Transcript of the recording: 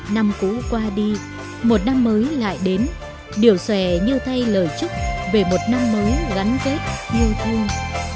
năm cũ qua đi một năm mới lại đến điểu xòe như thay lời chúc về một năm mới gắn kết yêu thương